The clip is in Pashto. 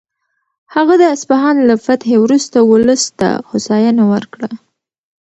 هغه د اصفهان له فتحې وروسته ولس ته هوساینه ورکړه.